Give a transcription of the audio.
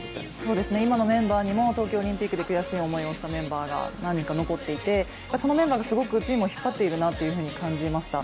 今のメンバーにも東京オリンピックで悔しい思いをしたメンバーが何人か残っていて、そのメンバーがチームを引っ張っていると感じました。